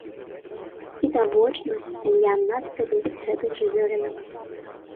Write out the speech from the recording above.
Відавочна, сям'я надта любіць гэтых жывёлінак.